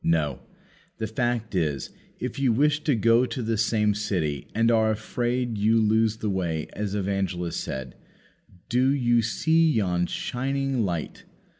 No; the fact is, if you wish to go to the same city, and are afraid you lose the way; as Evangelist said, "Do you see yon shining light?"